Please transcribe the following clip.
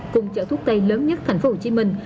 cùng chợ thuốc tây lớn nhất thành phố hồ chí minh